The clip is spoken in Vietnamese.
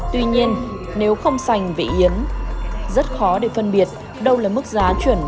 tuy nhiên nếu không sành vị yến rất khó để phân biệt đâu là mức giá chuẩn cho mặt hàng này